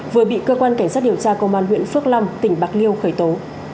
vừa bị cơ quan cảnh sát điều tra công an huyện phước long tỉnh bạc liêu khởi tố